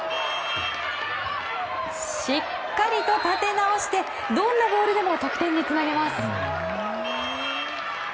しっかりと立て直してどんなボールでも得点につなげます。